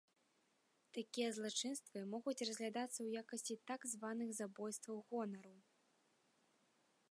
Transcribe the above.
Такія злачынствы могуць разглядацца ў якасці так званых забойстваў гонару.